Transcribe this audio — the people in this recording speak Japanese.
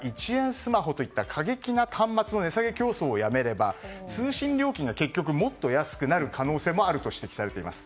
スマホといった過激な端末の値下げ競争をやめれば通信料金が結局もっと安くなる可能性もあると指摘されています。